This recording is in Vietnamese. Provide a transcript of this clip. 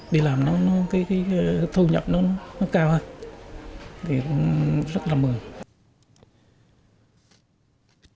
đi làm thu nhập nó cao hơn